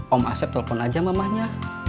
om asep telpon aja mamahnya